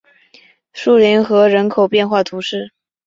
树林河人口变化图示